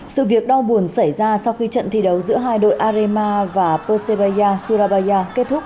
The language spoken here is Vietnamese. sự việc đau buồn xảy ra sau khi trận thi đấu giữa hai đội arema và perseveya surabaya kết thúc